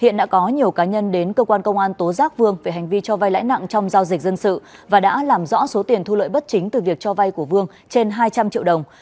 nguyễn quốc vương về hành vi cho vai lãi nặng trong giao dịch dân sự và đã làm rõ số tiền thu lợi bất chính từ việc cho vai của vương trên hai trăm linh triệu đồng